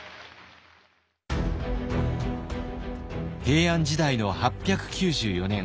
平安時代の８９４年。